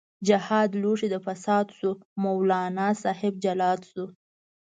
جهاد لوښی د فساد شو، مولانا صاحب جلاد شو